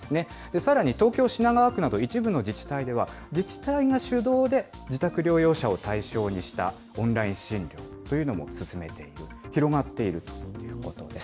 さらに東京・品川区など、一部の自治体では、自治体が主導で自宅療養者を対象にしたオンライン診療というのも進めている、広がっているということです。